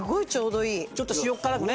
ちょっと塩っ辛くね。